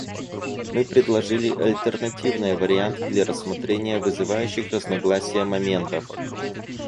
Мы предложили альтернативные варианты для рассмотрения вызывающих разногласия моментов.